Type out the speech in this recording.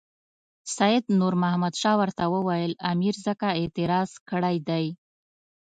سید نور محمد شاه ورته وویل امیر ځکه اعتراض کړی دی.